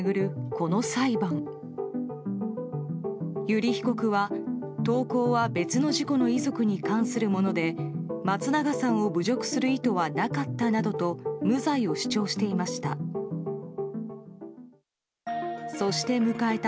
この裁判。油利被告は、投稿は別の事故の遺族に関するもので松永さんを侮辱する意図はなかったなどと無罪を主張していました。